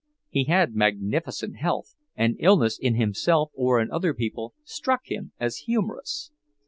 He had magnificent health, and illness in himself or in other people struck him as humorous.